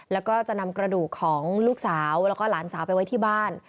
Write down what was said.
แล้วก็จะนำกระดูกของลูกสาวแล้วก็หลานสาวไปไว้ที่บ้าน